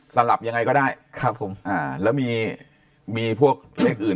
สำหรับอย่างไรก็ได้ครับผมแล้วมีมีพวกอื่น